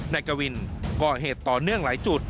กวินก่อเหตุต่อเนื่องหลายจุด